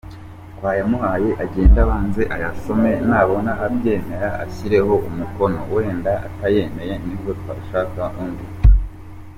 Twayamuhaye agende abanze ayasome nabona abyemera ashyireho umukono, wenda atayemeye nibwo twashaka undi.